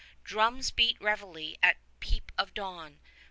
Drums beat reveille at peep of dawn.